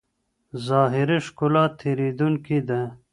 ظاهري ښکلا تېرېدونکې ده.